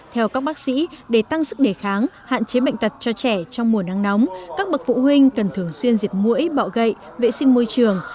theo các bác sĩ để tăng sức đề kháng hạn chế bệnh tật cho trẻ trong mùa nắng nóng các bậc phụ huynh cần thường xuyên diệt mũi bọ gậy vệ sinh môi trường